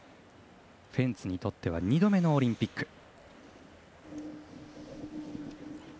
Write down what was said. フェンツにとっては２度目のオリンピック。